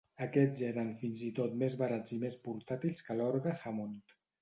Aquests eren fins i tot més barats i més portàtils que l'orgue Hammond.